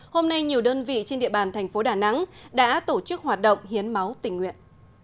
hôm nay nhiều đơn vị trên địa bàn thành phố đà nẵng đã tổ chức hoạt động hiến máu tình nguyện